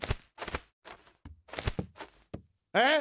えっ？